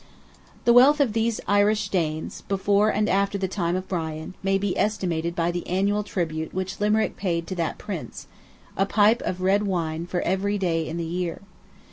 The wealth of these Irish Danes, before and after the time of Brian, may be estimated by the annual tribute which Limerick paid to that Prince—a pipe of red wine for every day in the year.